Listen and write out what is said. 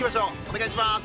お願いします！